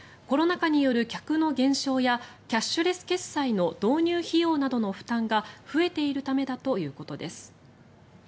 コロナ禍による客の減少やキャッシュレス決済の導入費用などの負担が増えているためだということです。